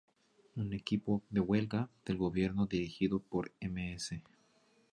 Un equipo de huelga del gobierno dirigido por Ms.